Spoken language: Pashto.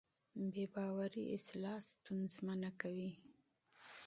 بې باورۍ اصلاح ستونزمنه کوي